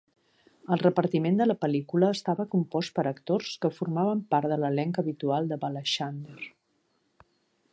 El repartiment de la pel·lícula estava compost per actors que formaven part de l'elenc habitual de Balachander.